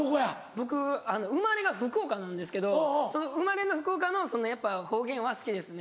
僕生まれが福岡なんですけど生まれの福岡のやっぱ方言は好きですね。